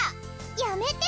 やめて！